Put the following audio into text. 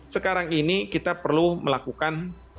sekarang ini kita perlu melakukan